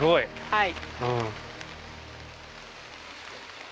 はい。